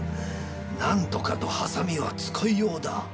なんとかと鋏は使いようだ。